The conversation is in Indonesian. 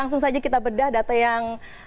langsung saja kita bedah data yang